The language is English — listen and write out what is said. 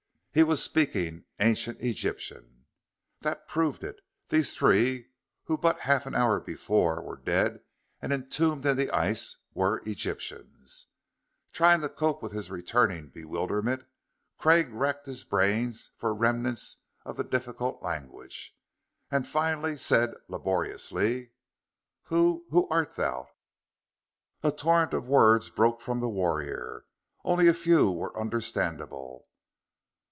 He was speaking ancient Egyptian! That proved it. These three, who but half an hour before were dead and entombed in the ice, were Egyptians. Trying to cope with his returning bewilderment, Craig racked his brains for remnants of the difficult language. And finally said laboriously: "Who who art thou?" A torrent of words broke from the warrior. Only a few were understandable.